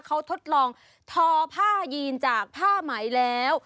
เขาทดลองทอผ้ายีนจากผ้าไหมแล้ว